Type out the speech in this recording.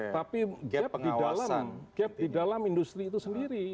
tapi gap di dalam industri itu sendiri